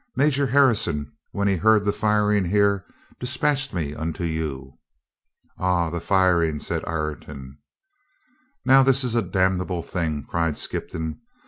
Major Har rison, when he heard the firing here, dispatched me unto you." "Ah, the firing," said Ireton. "Now, this is a damnable thing," cried Skippon.